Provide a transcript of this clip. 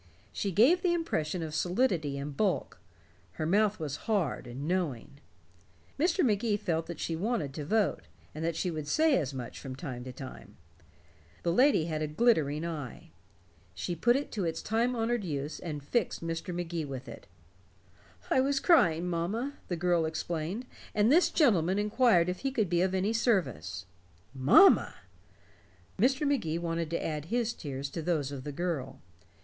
She gave the impression of solidity and bulk; her mouth was hard and knowing. Mr. Magee felt that she wanted to vote, and that she would say as much from time to time. The lady had a glittering eye; she put it to its time honored use and fixed Mr. Magee with it. "I was crying, mamma," the girl explained, "and this gentleman inquired if he could be of any service." Mamma! Mr. Magee wanted to add his tears to those of the girl.